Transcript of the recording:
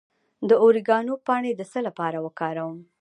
د اوریګانو پاڼې د څه لپاره وکاروم؟